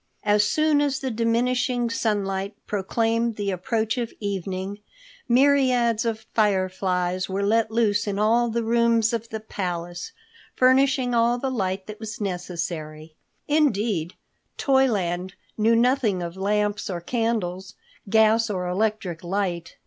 As soon as the diminishing sunlight proclaimed the approach of evening, myriads of fireflies were let loose in all the rooms of the palace, furnishing all the light that was necessary. Indeed, Toyland knew nothing of lamps or candles, gas or electric light.